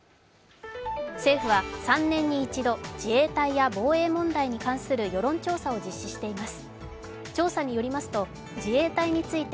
政府は３年に一度自衛隊や防衛問題に関する世論調査を実施しています。